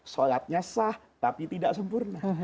sholatnya sah tapi tidak sempurna